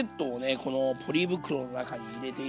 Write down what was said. このポリ袋の中に入れていきます。